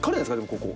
ここ。